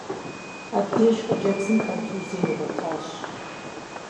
Абдеж хъыджэбзым контузие игъуэтащ.